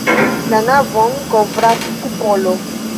La navon kovras kupolo.